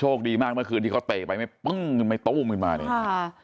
โชคดีมากเมื่อคืนที่เขาเตะไปไม่ปึ้งไม่ต้มไม่มาเนี้ยค่ะ